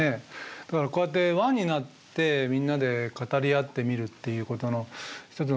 だからこうやって輪になってみんなで語り合ってみるっていうことの一つのポイントなんですけど。